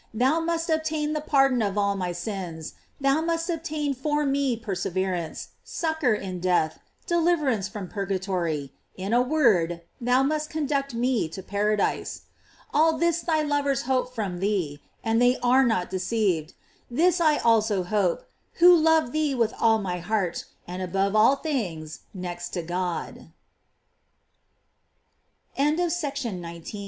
Thou must obtain the pardon of all my sins, thou must obtain for me perseverance, succor in death, de liverance from purgatory, in a word, thou must conduct me to paradise. All this thy lovers hope from thee, and they are not deceived. This I also hope, who love thee with all my heart, and above all things next to God, 276 G